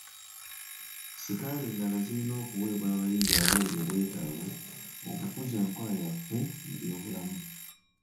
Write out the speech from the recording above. Sikaala endala zirina okuweebwa abayizi abali mu bwetaavu okukuza enkola yaffe mu byobulamu.